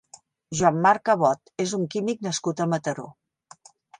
Joan Marc Cabot és un químic nascut a Mataró.